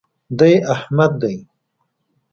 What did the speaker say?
دی احمد دئ.